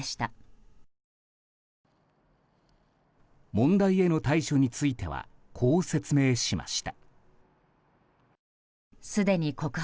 問題への対処についてはこう説明しました。